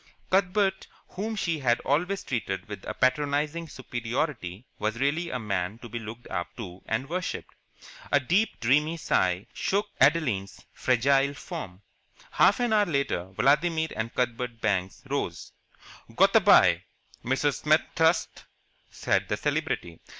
Cuthbert, whom she had always treated with a patronizing superiority, was really a man to be looked up to and worshipped. A deep, dreamy sigh shook Adeline's fragile form. Half an hour later Vladimir and Cuthbert Banks rose. "Goot a bye, Mrs. Smet thirst," said the Celebrity.